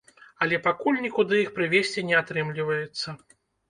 Але пакуль нікуды іх прывезці не атрымліваецца.